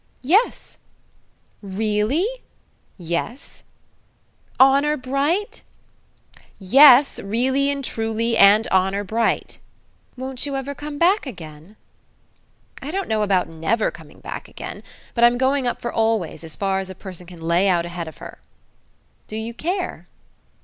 "Yes." "Really?" "Yes." "Honour bright?" "Yes; really and truly and honour bright." "Won't you ever come back again?" "I don't know about never coming back again; but I'm going up for always, as far as a person can lay out ahead of her. Do you care?"